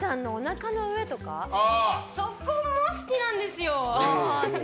そこも好きなんですよ。